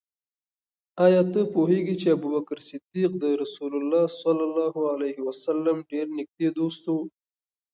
آیا ته پوهېږې چې ابوبکر صدیق د رسول الله ص ډېر نږدې دوست و؟